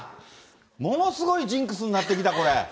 ものすごいジンクスになってきた、これ。